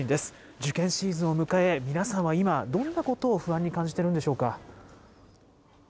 受験シーズンを迎え、皆さんは今、どんなことを不安に感じてるんでしょうか。